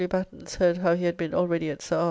Batten's heard how he had been already at Sir R.